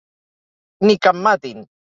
Ni que em matin!